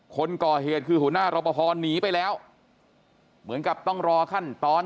คนก่อเหตุคือหัวหน้ารอปภหนีไปแล้วเหมือนกับต้องรอขั้นตอน